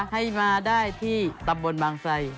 ให้มาได้ที่ตำบลบางไซ